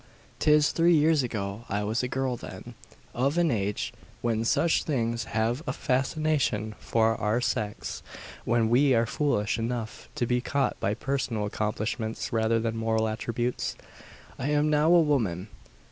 'Tis three years ago. I was a girl then, of an age when such things have a fascination for our sex when we are foolish enough to be caught by personal accomplishments rather than moral attributes. I am now a woman.